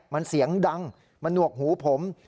มันเสียงดังมันหนวกหูผม